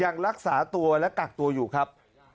ยังรักษาตัวและกักตัวอยู่ครับ